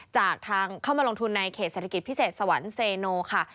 จากทางเข้ามาลงทุนในเขตเศรษฐกิจพิเศษสวรรค์เซโนค่ะ